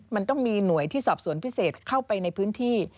มันต้องมีหน่วยที่สอบสวนพิเศษเข้าไปในพื้นที่